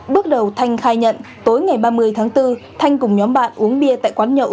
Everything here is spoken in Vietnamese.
bước đầu thanh khai nhận tối ngày ba mươi tháng bốn thanh cùng nhóm bạn uống bia tại quán nhậu